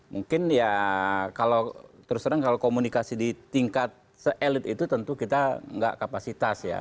mungkin ya kalau terus terang kalau komunikasi di tingkat se elit itu tentu kita nggak kapasitas ya